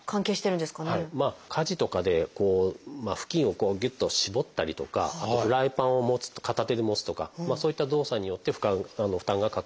家事とかで布巾をこうぎゅっと絞ったりとかあとフライパンを持つ片手で持つとかそういった動作によって負担がかかるといわれてますね。